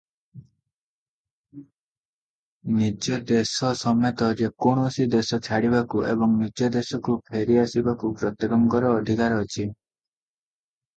ନିଜ ଦେଶ ସମେତ ଯେକୌଣସି ଦେଶ ଛାଡ଼ିବାକୁ ଏବଂ ନିଜ ଦେଶକୁ ଫେରିଆସିବାକୁ ପ୍ରତ୍ୟେକଙ୍କର ଅଧିକାର ଅଛି ।